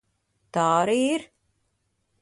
Tā arī ir.